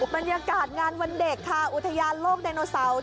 บรรยากาศงานวันเด็กค่ะอุทยาล่มโลกไนโนซัล